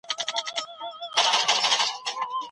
په تبعید کي اعدام سو. صادق هدایت مهاجرت او